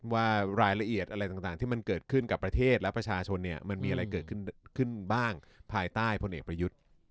ว่ารายละเอียดอะไรต่างที่มันเกิดขึ้นกับประเทศและประชาชนเนี่ยมันมีอะไรเกิดขึ้นบ้างภายใต้พลเอกประยุทธ์